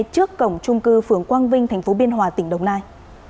trước cổng trung cư phường quang vinh tp biên hòa tỉnh đồng nai